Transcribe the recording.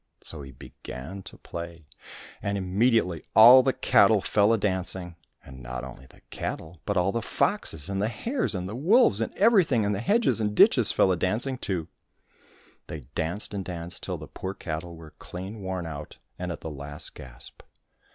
So he began to play, and immediately all the cattle fell a dancing ; and not only the cattle, but all the foxes, and the hares, and the wolves, and everything in the hedges and ditches fell a dancing too. They danced and danced till the poor cattle were clean worn out and at the last gasp.